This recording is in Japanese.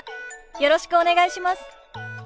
よろしくお願いします。